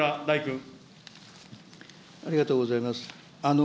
ありがとうございます。